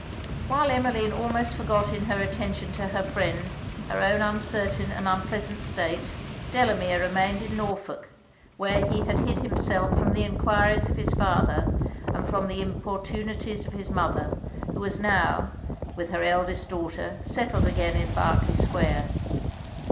While Emmeline almost forgot in her attention to her friend her own uncertain and unpleasant state, Delamere remained in Norfolk, where he had hid himself from the enquiries of his father, and from the importunities of his mother, who was now, with her eldest daughter, settled again in Berkley Square.